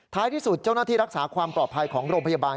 ที่สุดเจ้าหน้าที่รักษาความปลอดภัยของโรงพยาบาล